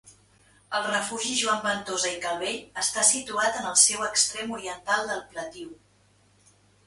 El Refugi Joan Ventosa i Calvell està situat en el seu extrem oriental del pletiu.